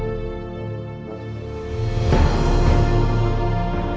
ที่สุดท้ายที่สุดท้าย